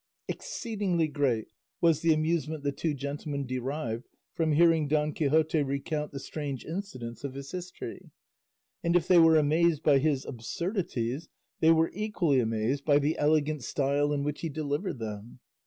Exceedingly great was the amusement the two gentlemen derived from hearing Don Quixote recount the strange incidents of his history; and if they were amazed by his absurdities they were equally amazed by the elegant style in which he delivered them.